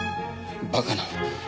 バカな。